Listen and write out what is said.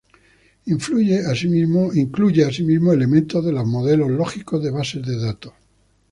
Incluye asimismo elementos de los modelos lógicos de bases de datos.